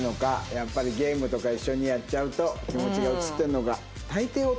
やっぱりゲームとか一緒にやっちゃうと気持ちが移ってるのか。